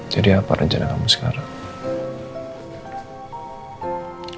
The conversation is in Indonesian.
jadi apa rencana kamu sekarang